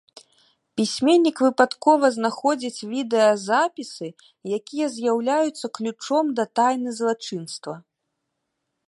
Пісьменнік выпадкова знаходзіць відэазапісы, якія з'яўляюцца ключом да тайны злачынства.